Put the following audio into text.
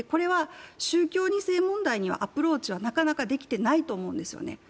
宗教２世問題にはアプローチはなかなかできていないと思うんですね。